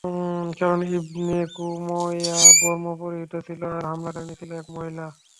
কারণ Ibn Qamiah বর্ম পরিহিত ছিল আর হামলাকারিনী ছিল এক মহিলা।